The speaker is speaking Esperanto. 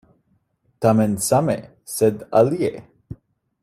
Tamen same, sed alie!